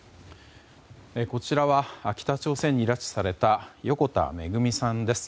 こちらは北朝鮮に拉致された横田めぐみさんです。